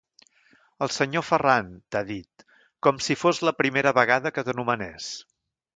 El senyor Ferran, t'ha dit, com si fos la primera vegada que t'anomenés.